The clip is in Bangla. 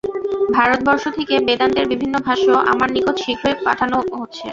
ভারতবর্ষ থেকে বেদান্তের বিভিন্ন ভাষ্য আমার নিকট শীঘ্র পাঠান হচ্ছে।